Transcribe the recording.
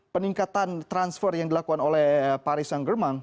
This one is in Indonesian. peningkatan transfer yang dilakukan oleh paris saint germain